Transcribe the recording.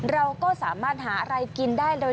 เราก็สามารถหาอะไรกินได้เลย